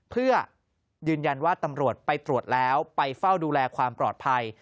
เพื่อยืนยันว่าตำรวจไปตรวจแล้วไปเฝ้าดูแลความปลอดภัย